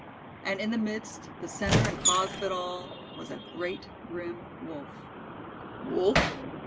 And in the midst, the centre and cause of it all, was a great, grim, Wolf. Wolf?